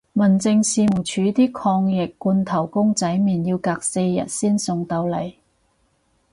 民政事務署啲抗疫罐頭公仔麵要隔四日先送到嚟